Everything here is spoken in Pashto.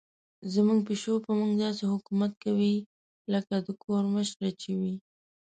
زموږ پیشو په موږ داسې حکومت کوي لکه د کور مشره چې وي.